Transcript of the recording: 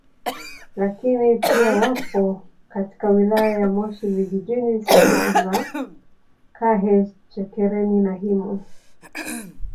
Lakini pia wapo katika wilaya ya Moshi Vijijini sehemu za Kahe Chekereni na Himo